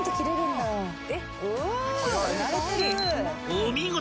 ［お見事！